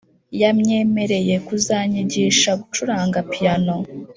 yamyemereye kuzanyigisha gucuranga piano